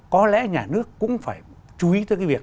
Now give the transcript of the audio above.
có lẽ nhà nước cũng phải chú ý tới cái việc